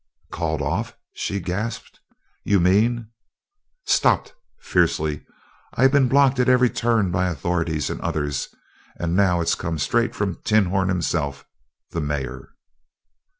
"Called off!" she gasped. "You mean " "Stopped!" fiercely. "I've been blocked at every turn by the authorities and others, and now it's come straight from 'Tinhorn' himself the mayor."